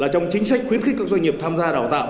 trong chính sách khuyến khích các doanh nghiệp tham gia đào tạo